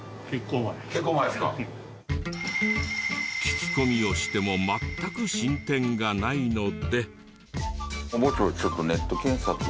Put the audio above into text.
聞き込みをしても全く進展がないので。